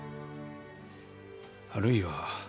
あるいは。